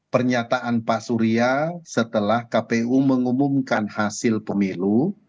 pernyataan pak surya setelah kpu mengumumkan hasil pemilu